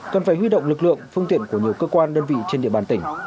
cần phải huy động lực lượng phương tiện của nhiều cơ quan đơn vị trên địa bàn tỉnh